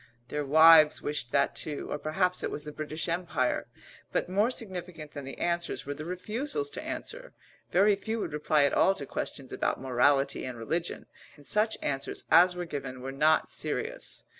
Their wives wished that too, or perhaps it was the British Empire. But more significant than the answers were the refusals to answer. Very few would reply at all to questions about morality and religion, and such answers as were given were not serious.